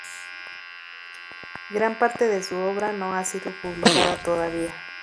Gran parte de su obra no ha sido publicada todavía.